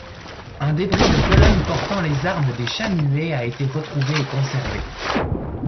Un débris de colonne portant les armes des Chanuet a été retrouvé et conservé.